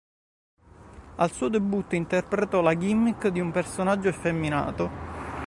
Al suo debutto interpretò la gimmick di un personaggio effeminato.